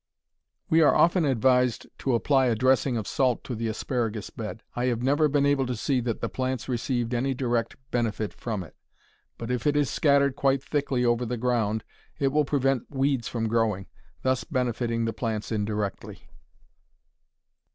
We are often advised to apply a dressing of salt to the asparagus bed. I have never been able to see that the plants received any direct benefit from it, but if it is scattered quite thickly over the ground it will prevent weeds from growing, thus benefiting the plants indirectly.